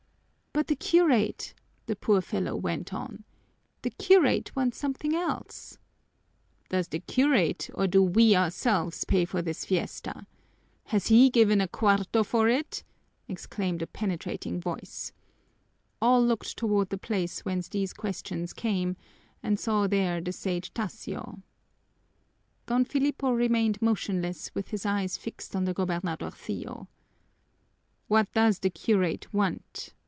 "But the curate," the poor fellow went on, "the curate wants something else." "Does the curate or do we ourselves pay for this fiesta? Has he given a cuarto for it?" exclaimed a penetrating voice. All looked toward the place whence these questions came and saw there the Sage Tasio. Don Filipo remained motionless with his eyes fixed on the gobernadorcillo. "What does the curate want?"